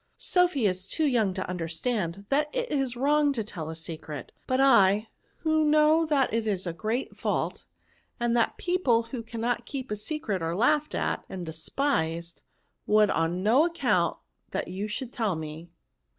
*' Sophy is too young to imderstand that it is wrong to tell a secret ; but I, who know that it is a great &ult, and that people who cannot keep a secret are laughed at and de spised, would on no account that you should tell me.